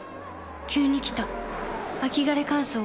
急に来た秋枯れ乾燥。